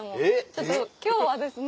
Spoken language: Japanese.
ちょっと今日はですね。